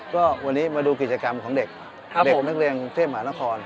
ก็วันนี้มาดูกิจกรรมของเด็กเด็กนักเรียนเทพหมานคร